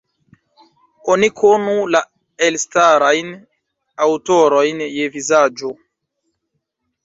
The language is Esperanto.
Oni konu la elstarajn aŭtorojn je vizaĝo.